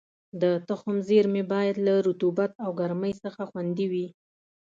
د تخم زېرمې باید له رطوبت او ګرمۍ څخه خوندي وي.